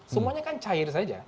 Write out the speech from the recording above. semuanya kan cair saja